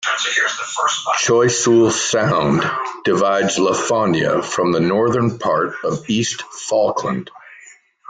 Choiseul Sound divides Lafonia from the northern part of East Falkland.